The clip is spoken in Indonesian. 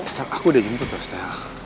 star aku udah jemput loh star